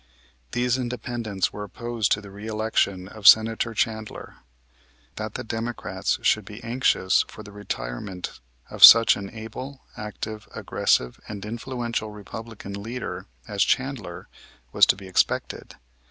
These Independents were opposed to the reëlection of Senator Chandler. That the Democrats should be anxious for the retirement of such an able, active, aggressive, and influential Republican leader as Chandler was to be expected.